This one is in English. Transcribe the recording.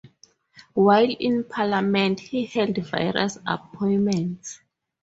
While in parliament he held various appointments.